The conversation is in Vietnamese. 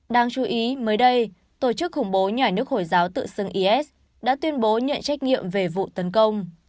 đáng chú ý mới đây tổ chức khủng bố nhà nước hồi giáo tự xưng is đã tuyên bố nhận trách nhiệm về vụ tấn công